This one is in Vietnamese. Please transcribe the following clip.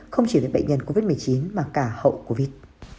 không chỉ đến bệnh nhân covid một mươi chín mà cả hậu covid